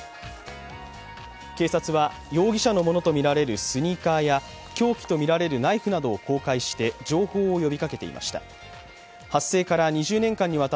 警察は容疑者のものとみられるスニーカーや凶器とみられるナイフなどを公開して情報を呼びかけていました。